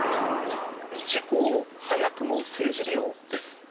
事故を早くも政治利用？です。